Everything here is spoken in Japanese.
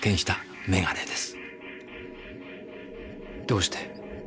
どうして？